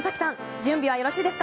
準備はよろしいですか？